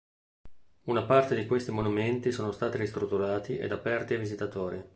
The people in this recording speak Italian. Una parte di questi monumenti sono stati ristrutturati ed aperti ai visitatori.